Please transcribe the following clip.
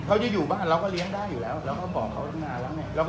เขาจะอยู่บ้านเราก็เลี้ยงได้อยู่แล้ว